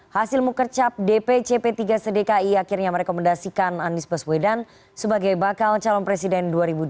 hasil mukercap dp cp tiga sedekai akhirnya merekomendasikan anies baswedan sebagai bakal calon presiden dua ribu dua puluh empat